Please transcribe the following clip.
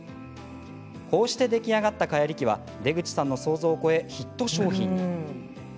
こうして出来上がった蚊やり器は出口さんの想像を超えヒット商品に。